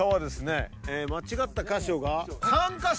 間違った箇所が３カ所！